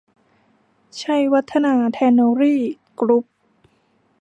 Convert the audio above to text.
ชัยวัฒนา แทนเนอรี่ กรุ๊ป